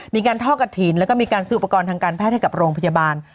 มีการท่อกระถิ่นแล้วก็มีการซื้ออุปกรณ์ทางการแพทย์ให้กับโรงพยาบาล